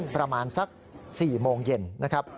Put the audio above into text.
ประมาณสัก๔โมงเย็นนะครับ